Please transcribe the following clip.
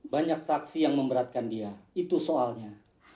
banyak saksi yang memberatkan dia itu soalnya